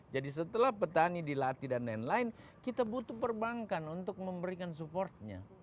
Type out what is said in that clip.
jadi setelah petani dilatih dan lain lain kita butuh perbankan untuk memberikan supportnya